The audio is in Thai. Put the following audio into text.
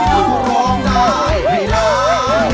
เราก็ร้องได้มีร้าน